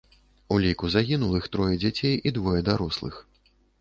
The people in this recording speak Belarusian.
У ліку загінулых трое дзяцей і двое дарослых.